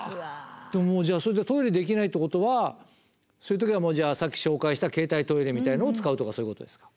でももうじゃあそれでトイレできないってことはそういう時はじゃあさっき紹介した携帯トイレみたいのを使うとかそういうことですか？